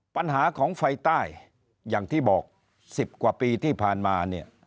ปัญหาของไฟใต้อย่างที่บอก๑๐กว่าปีที่ผ่านมาเนี่ย